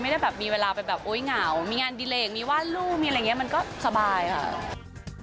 ไม่ได้แบบมีเวลาไปแบบโอ๊ยเหงามีงานดิเลกมีวาดรูปมีอะไรอย่างนี้มันก็สบายค่ะ